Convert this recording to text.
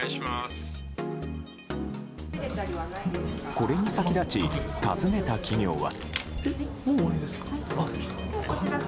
これに先立ち、訪ねた企業は。